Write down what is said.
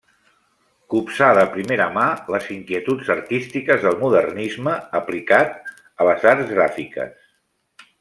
Copsà de primera mà les inquietuds artístiques del modernisme aplicat a les arts gràfiques.